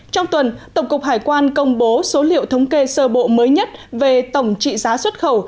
trong tuần tổng cục hải quan công bố số liệu thống kê sơ bộ mới nhất về tổng trị giá xuất khẩu